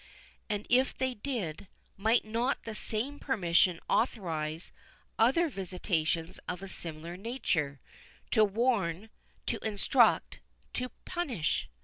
And if they did, might not the same permission authorise other visitations of a similar nature, to warn—to instruct— to punish?